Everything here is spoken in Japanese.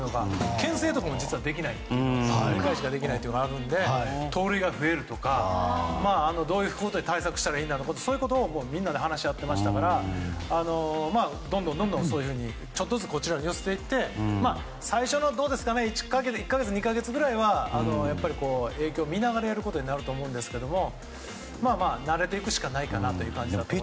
牽制とかも実はできないというのがあるので盗塁が増えるとかどういうふうに対策したらいいかそういうことをみんなで話し合ってましたからどんどん、そういうふうにちょっとずつ寄せていって最初の１か月、２か月ぐらいは影響を見ながらやることになると思うんですけど慣れていくしかないかなという感じだと思います。